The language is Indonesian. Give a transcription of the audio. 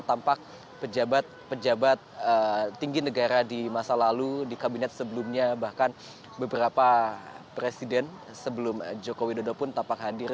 tampak pejabat pejabat tinggi negara di masa lalu di kabinet sebelumnya bahkan beberapa presiden sebelum jokowi dodo pun tampak hadir